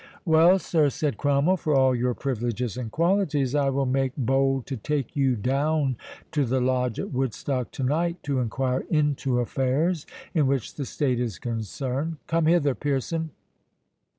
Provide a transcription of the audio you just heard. "Well, sir," said Cromwell, "for all your privileges and qualities, I will make bold to take you down to the Lodge at Woodstock to night, to enquire into affairs in which the State is concerned.—Come hither, Pearson."